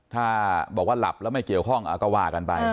ถ้าบอกว่าหลับแล้วไม่เกี่ยวข้องก็ว่ากันไป